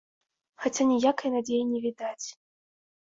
Хаця ніякай надзеі не відаць.